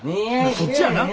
そっちやな。